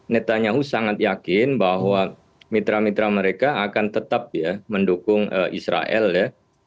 netanyahu sangat yakin bahwa mitra mitra mereka akan tetap ya mendukung israel ya